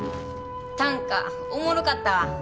短歌おもろかったわ。